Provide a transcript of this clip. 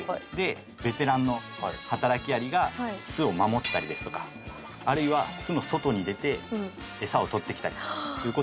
ベテランの働きアリが巣を守ったりですとかあるいは巣の外に出てエサを取ってきたりという事をします。